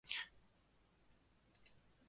呃，我才出门没多久，就下雨了